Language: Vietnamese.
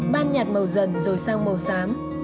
ban nhạt màu dần rồi sang màu xám